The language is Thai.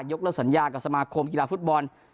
เลิสัญญากับสมาคมกีฬาฟุตบอล